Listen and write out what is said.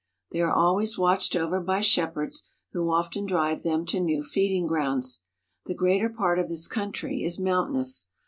They are always watched over by shepherds who often drive them to new feeding grounds. The greater part of this country is mountainous.